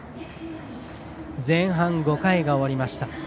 前半５回が終わりました。